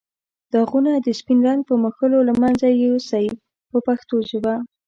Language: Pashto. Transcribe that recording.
داغونه د سپین رنګ په مښلو له منځه یو سئ په پښتو ژبه.